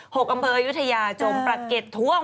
หกอำเภออายุทยาจมปรักเก็ตท่วม